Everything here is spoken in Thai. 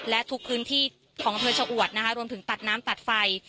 และทุกพื้นที่ของอำเภอชะอวดนะคะรวมถึงตัดน้ำตัดไฟ